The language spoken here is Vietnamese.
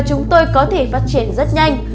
chúng tôi có thể phát triển rất nhanh